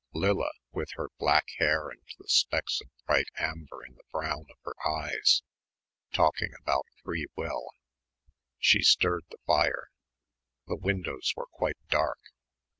Lilla, with her black hair and the specks of bright amber in the brown of her eyes, talking about free will. She stirred the fire. The windows were quite dark.